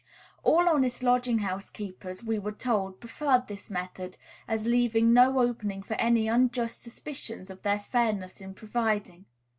All honest lodging house keepers, we were told, preferred this method, as leaving no opening for any unjust suspicions of their fairness in providing.